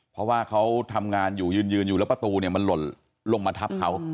เพราะว่าเขาทำงานอยู่ยืนอยู่แล้วประตูเนี่ยมันหล่นลงมาทับเขา